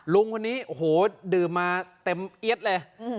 ลุงคนนี้โอ้โหดื่มมาเต็มเอี๊ยดเลย